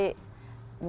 mungkin kita bisa pakai ya